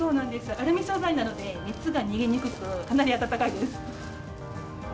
アルミ素材なので、熱が逃げにくく、かなり暖かいです。